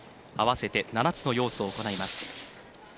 合わせて７つの要素を行います。